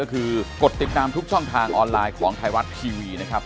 ก็คือกดติดตามทุกช่องทางออนไลน์ของไทยรัฐทีวีนะครับ